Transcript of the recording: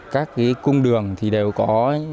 các cung đường đều có